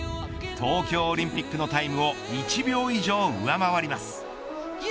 東京オリンピックのタイムを１秒以上、上回ります。